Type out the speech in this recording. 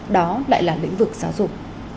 đó lại là lĩnh vực giáo dục